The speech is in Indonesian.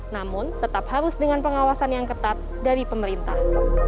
namun tetap harus dengan pengawasan yang ketat dari pemerintah